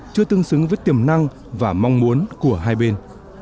chưa tương xứng với tiềm năng và mong muốn của hai bên